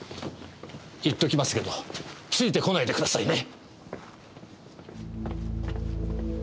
言っときますけどついてこないでくださいね！